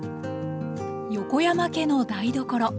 横山家の台所。